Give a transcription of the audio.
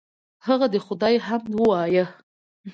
هغه د خدای حمد وایه.